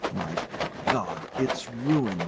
] My God! It's ruin!